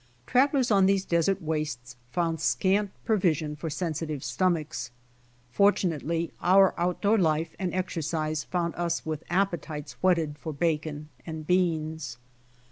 Travelers on these desert wastes found scant provision for sensitive stomachs. Fortunately oud out door life and exercise found us with appetites whetted for bacon and beans.